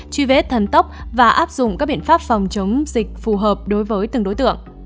truy vết thần tốc và áp dụng các biện pháp phòng chống dịch phù hợp đối với từng đối tượng